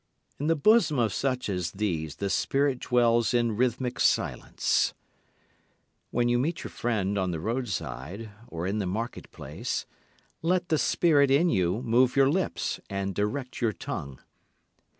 In the bosom of such as these the spirit dwells in rhythmic silence. When you meet your friend on the roadside or in the market place, let the spirit in you move your lips and direct your tongue.